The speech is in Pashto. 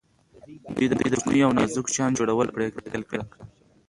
دوی د کوچنیو او نازکو شیانو جوړول پیل کړل.